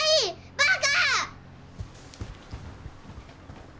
バカ！